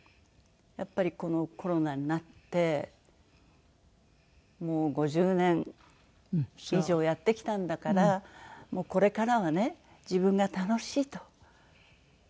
やっぱりこのコロナになってもう５０年以上やってきたんだからもうこれからはね自分が楽しいと。